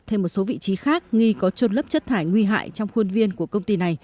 thêm một số vị trí khác nghi có trôn lấp chất thải nguy hại trong khuôn viên của công ty này